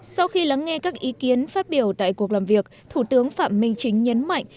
sau khi lắng nghe các ý kiến phát biểu tại cuộc làm việc thủ tướng phạm minh chính nhấn mạnh